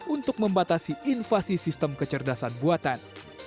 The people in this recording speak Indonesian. untuk membatasi invasi sistem kecerdasan buatan